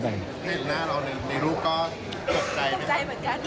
เห็นหน้าเราเลยในรูปก็กลับใจเหมือนกัน